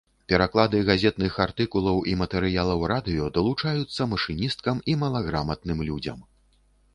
Пераклады газетных артыкулаў і матэрыялаў радыё даручаюцца машыністкам і малаграматным людзям.